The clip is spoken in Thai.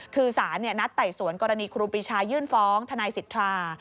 คือสารนัดไต่สวนกรณีครูปีชายื่นฟ้องทนายสิทธา